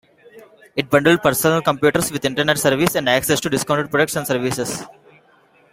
It bundled personal computers with internet service and access to discounted products and services.